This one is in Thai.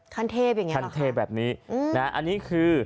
คันเทพอย่างเงี้คันเทพแบบนี้อันนี้คือ